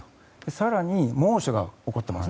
更に猛暑が起こっています